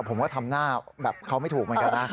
ผมก็ทำหน้าแบบเขาไม่ถูกเหมือนกันนะ